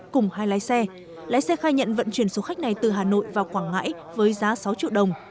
cùng hai lái xe lái xe khai nhận vận chuyển số khách này từ hà nội vào quảng ngãi với giá sáu triệu đồng